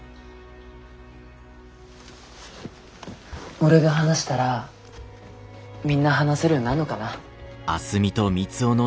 俺が話したらみんな話せるようになんのかな。